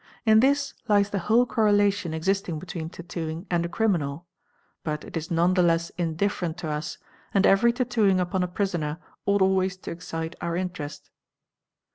In this Ties the whole correlation existing between tattooing and a criminal; ut it is none the less indifferent to us and every tattooing upon a prisoner ought always to excite our interest.